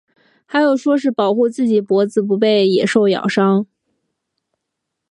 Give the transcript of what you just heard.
还有说是保护自己脖子不被野兽咬伤。